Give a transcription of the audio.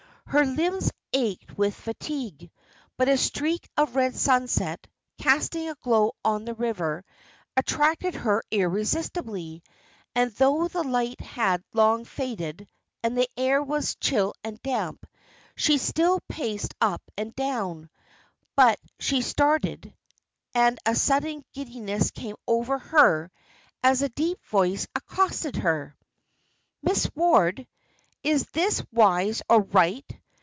Her limbs ached with fatigue, but a streak of red sunset, casting a glow on the river, attracted her irresistibly, and though the light had long faded, and the air was chill and damp, she still paced up and down; but she started, and a sudden giddiness came over her, as a deep voice accosted her. "Miss Ward, is this wise or right?